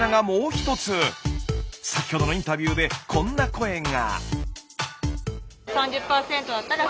先ほどのインタビューでこんな声が。